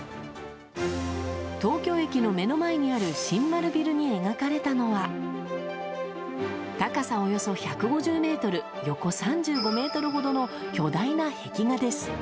東京駅の目の前にある新丸ビルに描かれたのは高さ、およそ１５０ｍ横３５ｍほどの巨大な壁画です。